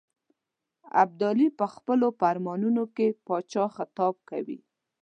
ابدالي په خپلو فرمانونو کې پاچا خطاب کوي.